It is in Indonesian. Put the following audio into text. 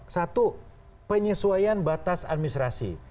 satu penyesuaian batas administrasi